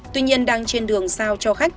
tuy nhiên đang trên đường sao cho khách